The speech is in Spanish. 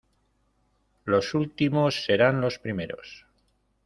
Los últimos serán los primeros.